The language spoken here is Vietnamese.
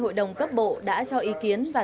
hội đồng cấp bộ đã cho ý kiến và